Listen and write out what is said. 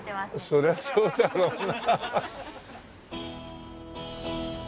そりゃそうだろうな。